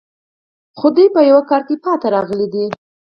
خو دوی په یوه کار کې پاتې راغلي دي